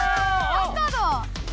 赤だ！